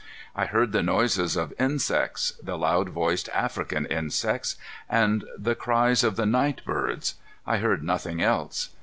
I heard the noises of insects the loud voiced African insects and the cries of the night birds. I heard nothing else.